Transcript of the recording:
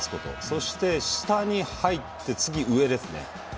そして下に入って次、上ですね。